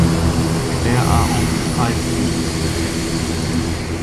There are only five students attending now.